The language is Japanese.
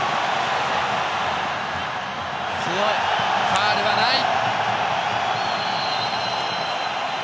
ファウルはない！